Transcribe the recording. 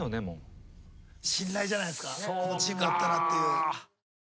このチームだったらっていう。